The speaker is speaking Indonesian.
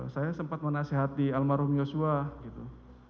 saya sempat menasehati almarhum yosua gitu